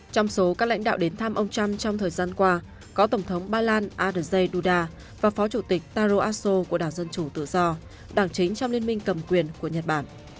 trong số các lãnh đạo đến thăm ông trump trong thời gian qua có tổng thống ba lan adj duda và phó chủ tịch taro aso của đảng dân chủ tự do đảng chính trong liên minh cầm quyền của nhật bản